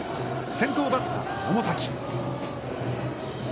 先頭バッター百崎。